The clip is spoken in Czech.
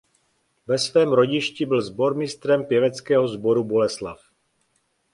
Ve svém rodišti byl sbormistrem pěveckého sboru "Boleslav".